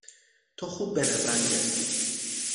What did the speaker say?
تو خوب به نظر می رسی.